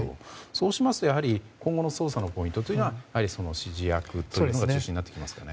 そうしますと今後の捜査のポイントというのは指示役というのが中心になってきますかね。